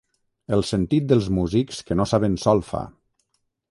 El sentit dels músics que no saben solfa.